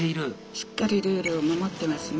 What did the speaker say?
しっかりルールを守ってますね。